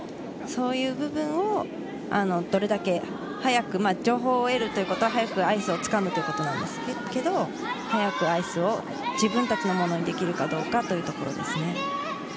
そういう部分をどれだけ早く情報を得るということは早くアイスをつかむということなんですけれど、早くアイスを自分たちのものにできるかどうかということですね。